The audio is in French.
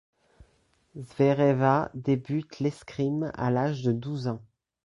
Zvereva débute l'escrime à l'âge de douze ans.